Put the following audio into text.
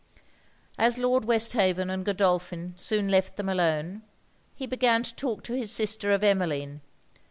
As Lord Westhaven and Godolphin soon left them alone, he began to talk to his sister of Emmeline.